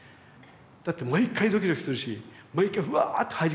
だって毎回ドキドキするし毎回うわぁって入り込めるし。